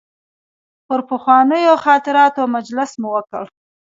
پر پخوانیو خاطراتو مجلس مو وکړ.